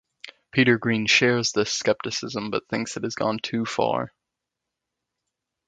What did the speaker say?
Peter Green shares this scepticism but thinks it has gone too far.